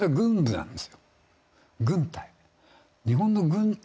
軍隊。